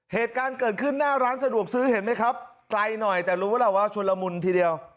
เหตุการณ์เกิดขึ้นหน้าร้านสะดวกซื้อเห็นไหมครับไกลหน่อยแต่รู้แล้วว่าชุนละมุนทีเดียว